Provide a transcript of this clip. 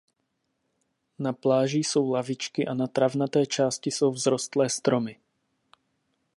Na pláži jsou lavičky a na travnaté části jsou vzrostlé stromy.